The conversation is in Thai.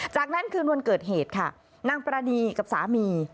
จากนั้นคืนวันเกิดเหตุค่ะนางปรานีกับสามี